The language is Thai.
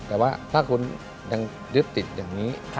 แต่ว่าถ้าคุณยังยึดติดอย่างนี้